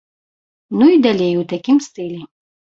Ну і далей у такім стылі.